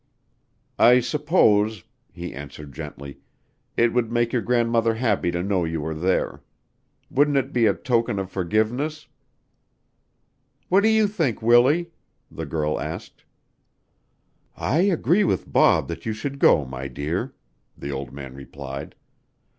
"I suppose," he answered gently, "it would make your grandmother happy to know you were there. Wouldn't it be a token of forgiveness?" "What do you think, Willie?" the girl asked. "I agree with Bob that you should go, my dear," the old man replied.